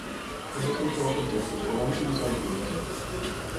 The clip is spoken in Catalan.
També s'han trobat objectes romans i bizantins.